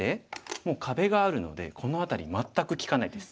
もう壁があるのでこの辺り全く利かないです。